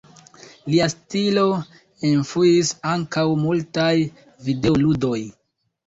Lia stilo influis ankaŭ multaj videoludoj.